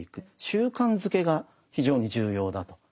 習慣づけが非常に重要だと。